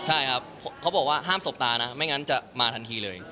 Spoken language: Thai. ใช่ครับเขาบอกว่าห้ามสบตานะไม่งั้นจะมาทันทีเลย